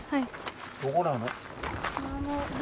どこなの？